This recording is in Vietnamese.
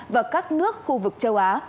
và các nước khu vực châu á